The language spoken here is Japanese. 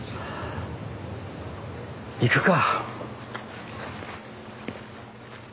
行くか。